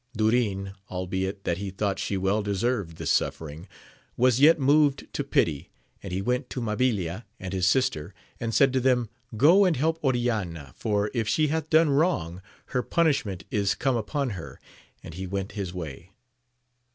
Durin, albeit that he thought she well deserved this suffering, was yet moved to pity, and he went to Mabilia and his sister, and said to them, Go and help Oriana, for, if she hath done wrong, her punishment is come upon her : and he went his way.